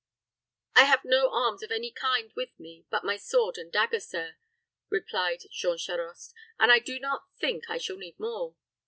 "I have no arms of any kind with me but my sword and dagger, sir," replied Jean Charost, "and I do not think I shall need more."